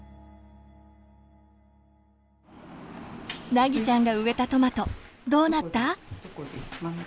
凪ちゃんが植えたトマトどうなった？